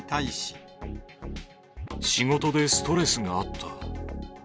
仕事でストレスがあった。